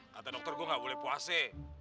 kata dokter gua gak boleh puase